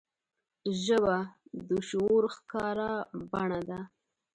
ژبه د شعور ښکاره بڼه ده